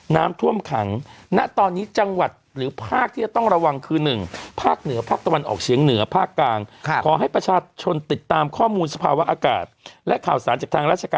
น้ำล้นตะหลิงน้ำท่วมขัง